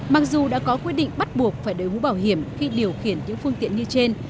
mặc dù đã có quy định bắt buộc phải đối mũ bảo hiểm khi điều khiển những phương tiện như trên